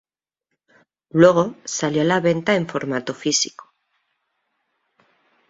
Luego salió a la venta en formato "físico".